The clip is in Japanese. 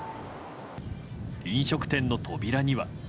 飲食店の扉には。